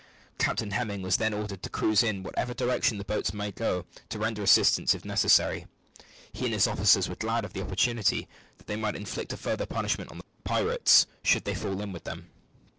Captain Hemming was then ordered to cruise in whatever direction the boats might go, to render assistance if necessary. He and his officers were glad of the opportunity, that they might inflict a further punishment on the pirates, should they fall in with them.